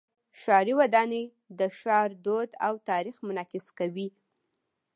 ښاري ودانۍ د ښار دود او تاریخ منعکس کوي.